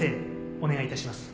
お願いいたします。